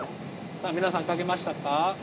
さあ皆さん書けましたか？